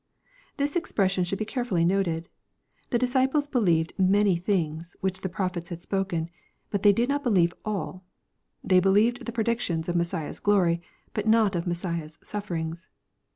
] This exprejj sion should bo carefully noted. The disciples believed manif things which the prophets had spoken. But they did not believe all. They believed the predictions of Messiah's glory, but not of Messiah's sufferings.